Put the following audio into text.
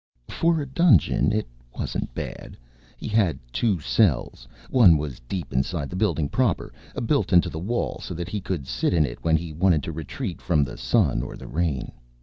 For a dungeon, it wasn't bad. He had two cells. One was deep inside the building proper, built into the wall so that he could sit in it when he wanted to retreat from the sun or the rain.